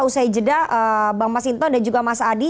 usai jeda bang mas inton dan juga mas adi